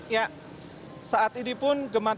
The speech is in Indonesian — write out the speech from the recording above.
ya saat ini pun gemat